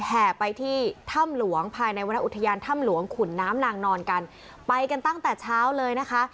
แห่ไปที่ถ้ำหลวงภายในวรรณอุทยานถ้ำหลวงขุนน้ำนางนอนกันไปกันตั้งแต่เช้าเลยนะคะ